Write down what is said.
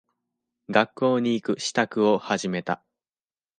学校に行く支度を始めた。